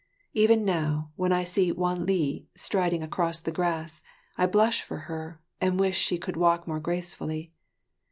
Even now, when I see Wan li striding across the grass, I blush for her and wish she could walk more gracefully.